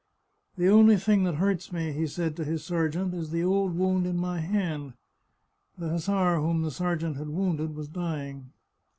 " The only thing that hurts me," he said to his sergeant, " is the old wound in my hand." The hussar whom the ser geant had wounded was dying.